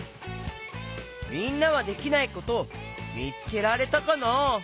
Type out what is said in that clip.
みんなはできないことみつけられたかな？